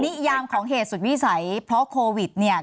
นิยามของเหตุสุดวิสัยเพราะโควิดเนี่ย